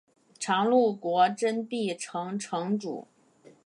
常陆国真壁城城主。